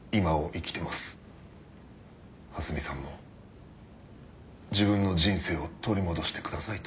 蓮見さんも自分の人生を取り戻してくださいと。